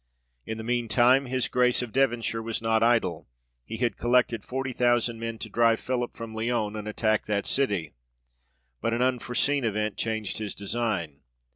In the mean time, his Grace of Devonshire was not idle ; he had collected forty thousand men to drive Philip from Lyons, and attack that city; but an un foreseen event changed his design.